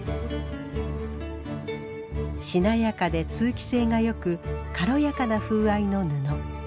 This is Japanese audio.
しなやかで通気性がよく軽やかな風合いの布。